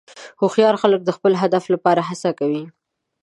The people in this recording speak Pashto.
هوښیار خلک د خپل هدف لپاره هڅه کوي.